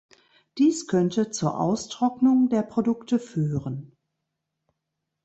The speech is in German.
Dies könnte zur Austrocknung der Produkte führen.